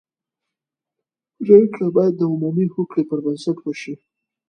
پرېکړه باید د عمومي هوکړې پر بنسټ وشي.